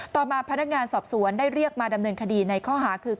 ต่อมาพนักงานสอบสวนได้เรียกมาดำเนินคดีในข้อหาคือ